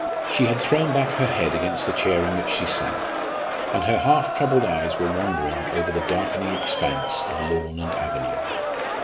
She had thrown back her head against the chair in which she sat, and her half troubled eyes were wandering over the darkening expanse of lawn and avenue.